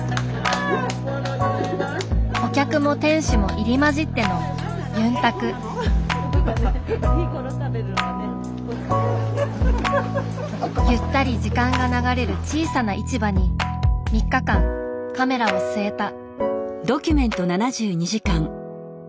お客も店主も入り交じってのゆったり時間が流れる小さな市場に３日間カメラを据えた。